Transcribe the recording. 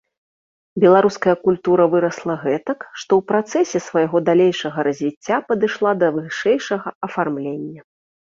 Беларуская культура вырасла гэтак, што ў працэсе свайго далейшага развіцця падышла да вышэйшага афармлення.